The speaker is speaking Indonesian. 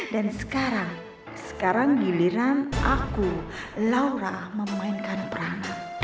dan sekarang sekarang giliran aku laura memainkan peran